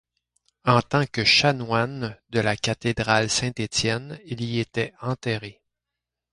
En tant que chanoine de la cathédrale Saint-Étienne, il y est enterré.